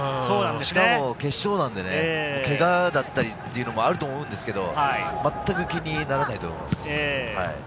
しかも決勝なので、けがだったりというのもあると思うんですけど、まったく気にならないと思います。